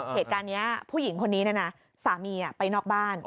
เหตุการณ์นี้ผู้หญิงคนนี้นะนะสามีไปนอกบ้าน